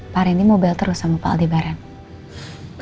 pak rendy mau bel terus sama pak aldi barang